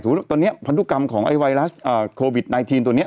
สมมุติว่าพันธุ์กรรมของไอวไวรัสโควิด๑๙ตัวเนี่ย